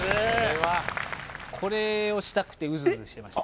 これをしたくてウズウズしてました